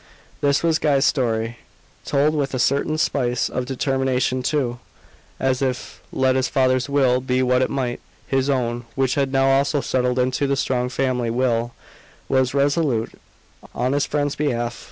This was Guy's story, told with a certain spice of determination too, as if let his father's will be what it might, his own, which had now also settled into the strong "family" will, was resolute on his friend's behalf.